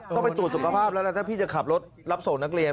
ต้องไปตรวจสุขภาพแล้วล่ะถ้าพี่จะขับรถรับส่งนักเรียน